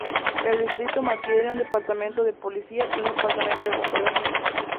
El Distrito mantiene un departamento de policía y un departamento de bomberos.